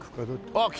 あっ来た。